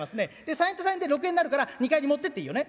「３円と３円で６円になるから２荷入り持ってっていいよね？」。